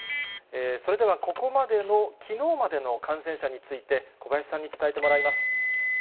それではここまでの、きのうまでの感染者について、小林さんに伝えてもらいます。